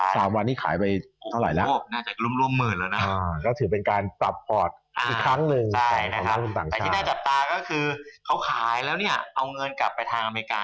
แต่ที่น่าจับตาก็คือเค้าขายแล้วเนี่ยเอาเงินกลับไปทางอเมริกา